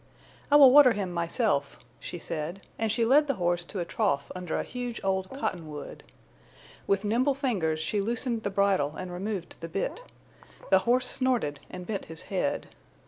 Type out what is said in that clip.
"I will water him myself," she said, and she led the horse to a trough under a huge old cottonwood. With nimble fingers she loosened the bridle and removed the bit. The horse snorted and bent his head.